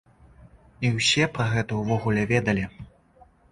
І ўсе пра гэта ўвогуле ведалі.